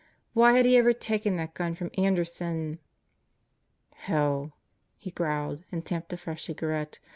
Why had he ever taken that gun from Anderson? "Helll" he growled and tamped a fresh cigarette.